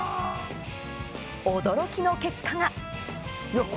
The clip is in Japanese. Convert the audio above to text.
驚きの結果が。